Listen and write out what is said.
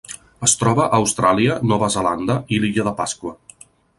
Es troba a Austràlia, Nova Zelanda i l'Illa de Pasqua.